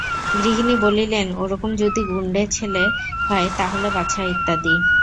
গৃহিণী বলিলেন-ওরকম যদি গুণ্ডে ছেলে হয় তা হলে বাছা-ইত্যাদি।